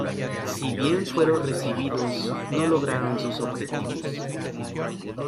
Si bien fueron recibidos, no lograron sus objetivos.